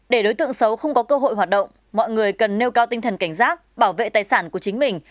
để đối tượng xấu không có cơ hội hoạt động mọi người cần nêu cao tinh thần cảnh giác bảo vệ tài sản của chính mình